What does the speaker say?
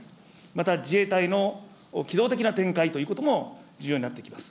また、自衛隊の機動的な展開ということも重要になってきます。